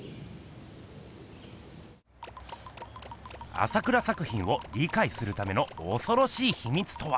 朝倉作品をりかいするためのおそろしいひみつとは。